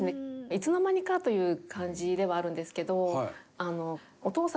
いつの間にかという感じではあるんですけど「お父さん」